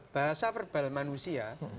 bahasa verbal manusia